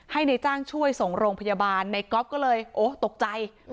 ในจ้างช่วยส่งโรงพยาบาลในก๊อฟก็เลยโอ้ตกใจ